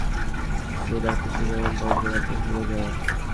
সেরা কিছু, যেমন, বজ্রপাতের হিরো হওয়া।